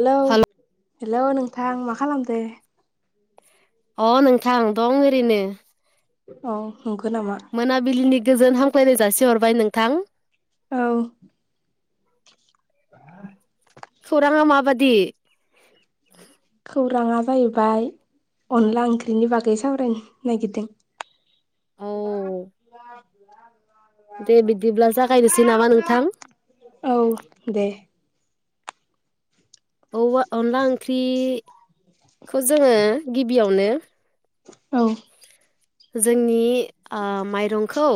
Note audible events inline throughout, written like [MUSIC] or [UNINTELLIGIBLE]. Hello hello hello नोंथां मा खालामदो अ नोंथां दं ओरैनो अ मोनाबिलिनि गोजोन हांख्लायनाय जासिहरबाय नोंथां औ खौराङा माबादि खौराङा जाहैबाय अनला ओंख्रिनि बागै सावरायनो नागिरदों औ लाब दे लाब बिदिब्ला जागायनोसै नामा लाब नोंथां औ दे। औवा अनला ओंख्रि खौ जोंङो गिबियावनो। औ। जोंनि ओ माइरंखौ।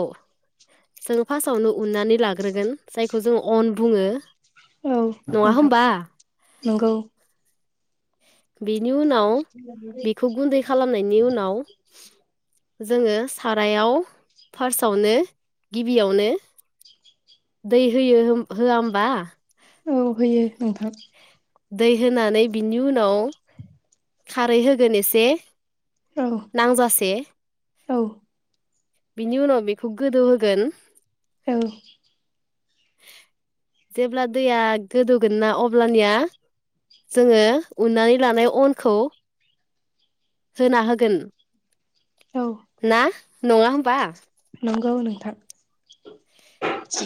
जोंङ फासआवनो उननानै लाग्रोगोन जायखौ जों अन बुङो। औ नङा नोंथां होमबा नंगौ। बेनि उनाव बेखौ गुन्दै खालामनायनि उनाव। जोंङो सारायाव फार्सआवनो गिबियावनो। दै होयो होम-होआ ओमबा। औ होयो नोंथां। दै होनानै बिनि उनाव खारै होगोन एसे। औ नांजासे। औ। बिनि उनाव बेखौ गोदौहोगोन। औ। [INAUDIBLE] जेब्ला दैया गोदौगोन ना अब्लानिया। जोंङो उन्नानै लानाय अनखौ होना होगोन। औ ना नङा होमबा। नंगौ नोंथां।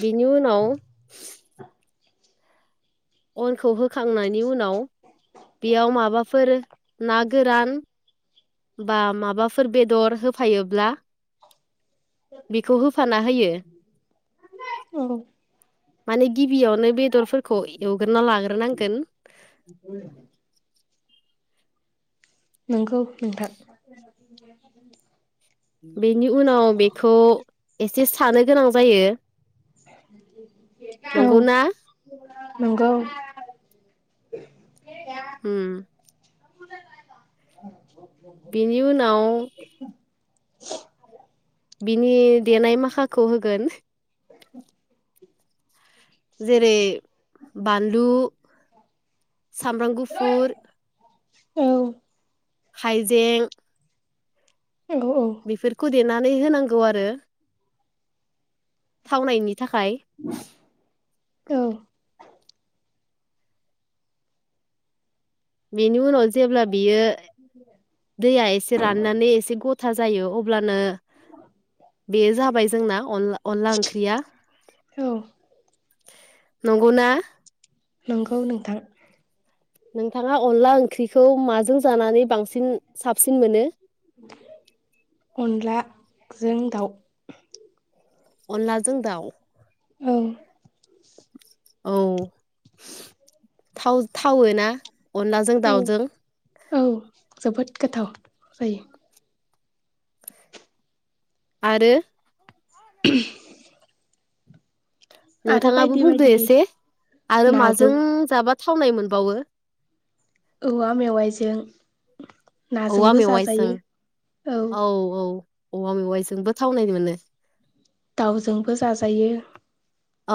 बिनि उनाव। अनखौ होखांनायनि उनाव बियाव माबाफोर। नागोरान। बा माबाफोर बेदर होफायोब्ला। बेखौ होफाना होयो। औ माने गिबियावनो बेदरफोरख। खौ एवग्रोना लाग्रोनांगोन। नोंगौ नोंथां। बेनि उनाव बेखौ एसे सानो गोनां जायो। औ नंगौना नंगौ। ओम। बिनि उनाव। बिनि देनाय माखाखौ होगोन। जेरै बानलु सामब्राम गुफुर। औ। हाइजें। औ औ बिफोरखौ देनानै होनांगौ आरो। थावनायनि थाखाय। औ। बेनि उनाव जेब्ला बेयो दैया एसे राननानै एसे गथाज। जायो, अब्लानो बे जाबाय जोंना अनला-अनला ओंख्रिया। औ। नंगौना। नंगौ नोंथां। नोंथाङा अनलाओं। ओंख्रिखौ माजों जानानै बांसिन साबसिन मोनो। जों दाउ। अनलाजों दाउ। औ औ थाव-थावो ना। अनलाजों औ दाउजों - औ जोबोद गोथाव जायो। आरो। [INAUDIBLE] आरो नोंथाङाबो बायदि बुंदो बायदि एसे आरो नाजों माजों जाबा था थावनाय मोनबावो। औवा मेवाइजों औवा नाजोंबो मेवाइजों जाजायो औ औ। औवा मेवायजोंबो थावनाय मोनो। दाउजोंबो जाजायो।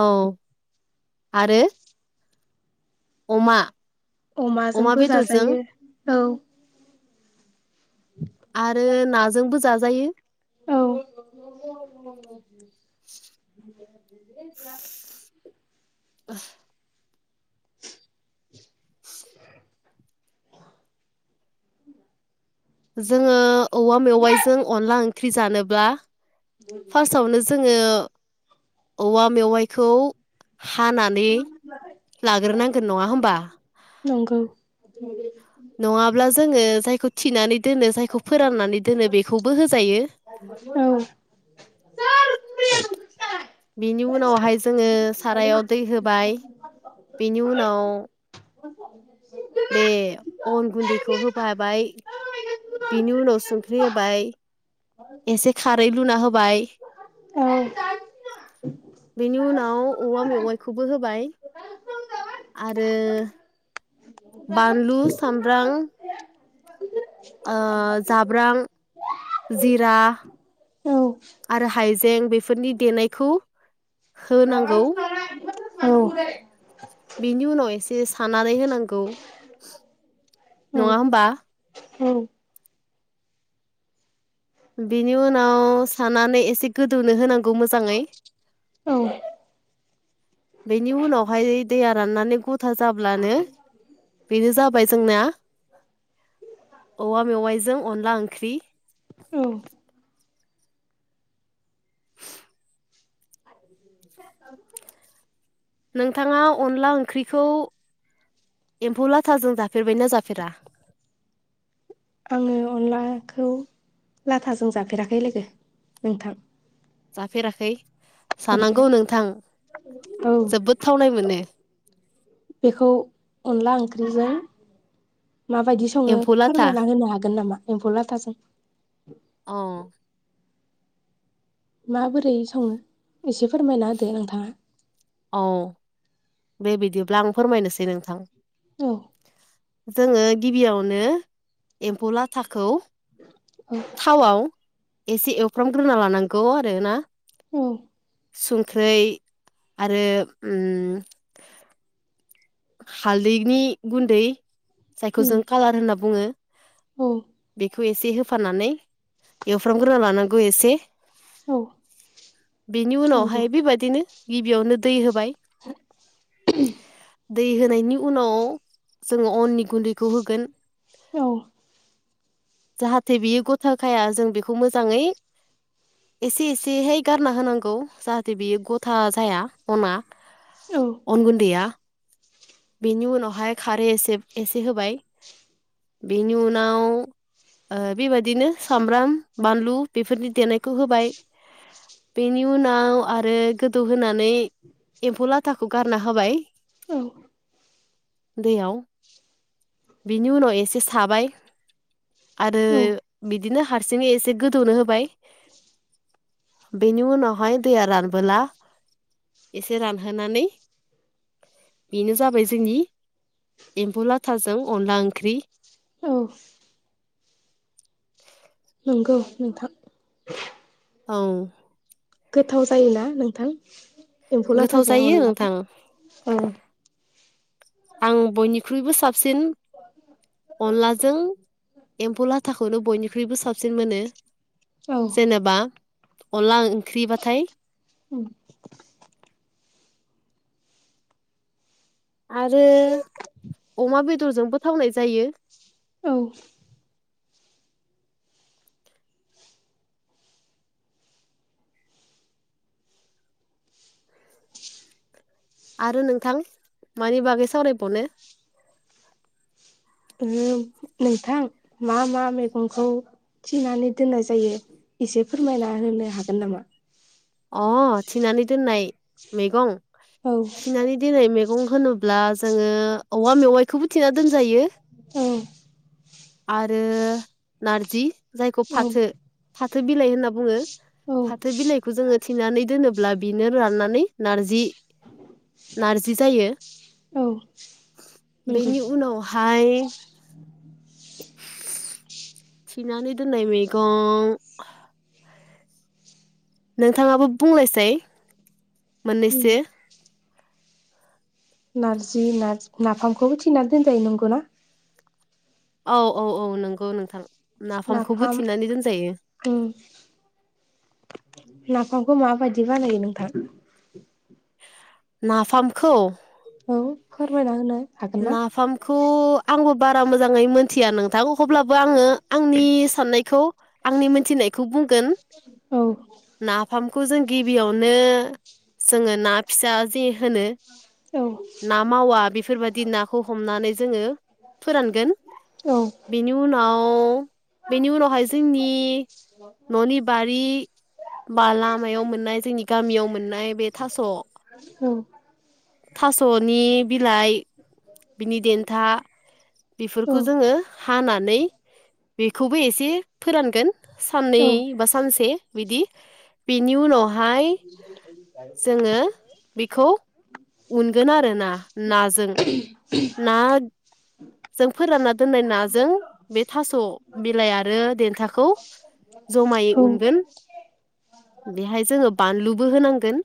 औ आरो अमा अमा अमाजोंबो बेदरजों जाजायो औ। आरो नाजोंबो जाजायो। औ। [INAUDIBLE] [INAUDIBLE] [INAUDIBLE] जोङो औवा मेवाइजों अनला ओंख्रि जानोब्ला फार्स्टआवनो जोङो औवा मेवाइखौ हानानै लाग्रोनांगोन नङा होमबा? नंगौ। नङाब्ला जोङो जायखौ थिनानै दोनो जायखौ फोराननानै दोनो बेखौबो होजायो। औ औ बिनि उनावहाय ज जोङो सारायाव दै होबाय बेनि उनाव बे अन गुन्दैखौ होफाबाय बिनि उनाव संख्रि होबाय। एसे खारै लुना होबाय। औ बेनि उनाव औवा मेवाइखौबो होबाय। आरो बानलु सामब्रां ओ जाब्रां जिरा आरो हाइजें बेफोरनि देनायखौ होनांगौ औ। बेनि उनाव एसे सानानै होनांगौ। नङा होमबा? बिनि उनाव सानानै एसे गोदौनो होनांगौ मोजाङै। बेनि उनावहाय दैया राननानै गु गथा जाब्लानो बेनो जाबाय जोंना औवा मेवाइजों अनला ओंख्रि। औ। [INAUDIBLE] नोंथाङा अनला ओंख्रिखौ एम्फौ लाथाजों जाफेरबाय ना जाफेरा? आङो अनलाखौ लाथाजों जाफेराखै लोगो नोंथां। जाफेराखै? जानांगौ नोंथां औ जोबोद थावनाय मोनो। बेखौ अनला ओंख्रिजों माबायदि सङो एम्फौ लाथा फोरमायना होनो हागोन नामा एम्फौ लाथाजों? औ। माबोरै सङो एसे फोरमायना होदो नोंथाङा औ बे बिदिब्ला आं फोरमायनोसै नोंथां औ जोङो गिबियावनो एम्फौ लाथाखौ औ थावआव एसे एवफ्रामग्रोना लानांगौ आरो ना उम संख्रै आरो उम हालदैनि गुन्दै जायखौ जों कालार होनना बुङो। उम बेखौ एसे होफानानै एवफ्रामग्रोना लानांगौ एसे औ बेनि नंगौ उनावहाय बेबादिनो गिबियावनो दै होबाय [INAUDIBLE] दै होनायनि उनाव जोङो अननि गुन्दैखौ होगोन औ जाहाथे बियो गथा खाया जों बेखौ मोजाङै एसे एसेहाय गारना होनांगौ जाहाथे बियो गथा जाया अना औ अनगुुनदैया बेनि उनावहाय खारै एसे एसे होबाय बेनि उनाव ओ बे बादिनो सामब्राम बानलु बेफोरनि देनायखौ होबाय बेनि उनाव आरो गोदौहानै एम्फौ लाथाखौ गारना होबाय दैयाव बिनि उनाव एसे साबाय आरो औ बिदिनो हारसिङै एसे गोदौनो होबाय बेनि उनावहाय दैया रानबोला एसे रानहोनानै [UNINTELLIGIBLE] बाय जोंनि एम्बौ लाथाजों अनला ओंख्रि औ [INAUDIBLE] नंगौ नोंथां औ गोथाव जायोना नोंथां एम्फौ गोथाव लाथाजों जायो अनलाजों नोंथां औ आं बयनि ख्रुइबो साबसिन अनलाजों एम्फौ लाथाखौनो बयनिख्रुइबो साबसिन मोनो। औ जेनेबा अनला ओंख्रिबाथाय [INAUDIBLE] आरो अमा बेदरजोंबो थावनाय जायो औ आरो नोंथां मानि बागै सावरायबावनो उम नोंथां मा मा मैगंखौ थिनानै दोननाय जायो एसे फोरमायना होनो हागोन नामा अ थिनानै दोननाय मैगं औ थिनानै दोननाय मैगं होनोब्ला जोङो औवा मेवाइखौबो थेना दोनजायो। औ आरो नारजि जायखौ फाथो फाथो बिलाइ होनना बुङो। औ फाथो बिलाइखौ जोङो थिनानै दोनोब्ला बेनो राननानै नारजि नारजि जायो। औ नंगौ बेनि उनावहाय थिनानानै दोननाय मैगं नोंथाङाबो बुंलायसै मोननैसो नारजि नारजि नाफामखौबो थिनानै दोनजायो नंगौना औ औ औ नंगौ नोंथां नाफामखौबो नाफाम थिननानै दोनजायो उम नाफामखौ माबायदि बानायो नोंथां नाफामखौ औ फोरमायना होनो हागोन ना नाफामखौ आंबो बारा मोजाङै मोनथिया नोंथां अब्लाबो आङो आंनि साननायखौ आंनि मोनथिनायखौ बुंगोन औ नाफाम खौ जों गिबियावनो जोङो ना फिसा जि होनो औ ना मावा बेफोरबायदि नाखौ हमनानै जोङो फोरानगोन औ बेनि उनाव बेनि उनावहाय जोंनि न'नि बारि बा लामायाव मोननाय जोंनि गामियाव मोननाय बे थास' औ। नि बिलाइ बिनि देथा औ बेफोरखौ जोङो हानानै नै बेखौबो एसे फोरानगोन औ साननै बा सानसे बिदि बेनि उनावहाय जोङो बेखौ उनगोन आरो ना नाजों। ना जों फोरानना दोननाय नाजों बे थास' बिलाइ आरो देनथाखौ जमायै औ उनगोन बेहाय जोङो बानलु बो होनांगोन।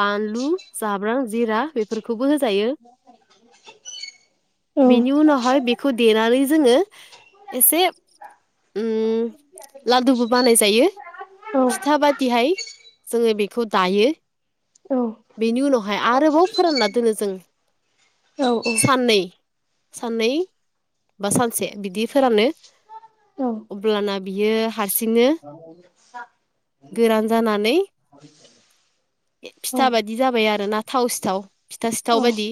बानलु जाब्रां जिरा बेफोरखौबो हो [UNINTELLIGIBLE] औ बेनि उनावहाय बेखौ देनानै जोङो एसे उ लादुबो बानाय जायो। औ फिथा बादिहाय जोङो बेखौ दायो। बेनि उनावहाय आरोबाव फोरानना दोनो जों साननै साननै बा सानसे बिदि फोरानो। औ अब्लाना बियो हारसिंनो सा गोरान जानानै औ फिथा बायदि जाबाय आरो ना थाव सिथाव फिथा औ सिथाव बायदि।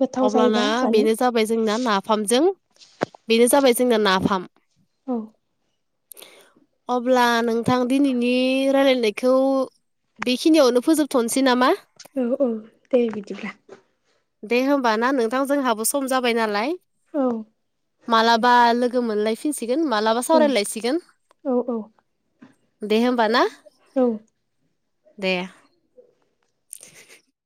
गोथाव जायोना अब्लाना जानो बेनो जाबाय जोंना नाफामजों बेनो जाबाय जोंना नाफाम। औ। अब्ला नोंथां दिनैनि रायलायनायखौ बेखिनियावनो फोजोबथ'नोसै नामा? औ औ दे बिदिब्ला दे होमबा ना नोंथां जोंहाबो सम जाबाय नालाय। औ मालाबा लोगो मोनलाय गोन मालाबा सावरायलायसिगोन। औ औ दे होमबा ना? औ दे। [INAUDIBLE]